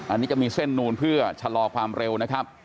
อันนี้จะมีเส้นนูนเพื่อชะลอความเร็วนะครับ